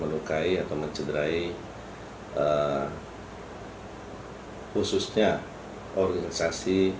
kedua orang itu tidak puas karena kerabat mereka belum sembuh setelah berobat ke puskesmas tersebut